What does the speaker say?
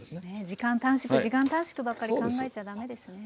時間短縮時間短縮ばっかり考えちゃだめですね。